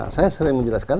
saya sering menjelaskan